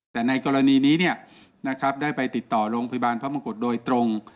แต่ในกรณีนี้ได้ไปติดต่อโรงพยาบาลพระมงกุฎโดยตรง